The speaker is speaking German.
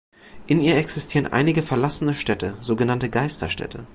In ihr existieren einige verlassene Städte, so genannte Geisterstädte.